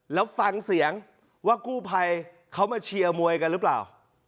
แล้วฟังเสียงว่ากู้ภัยเขามาเชียร์มวยกันหรือเปล่า